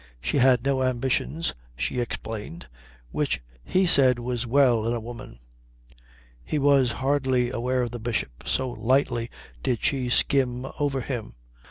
She had no ambitions, she explained, which he said was well in a woman. He was hardly aware of the Bishop, so lightly did she skim over him.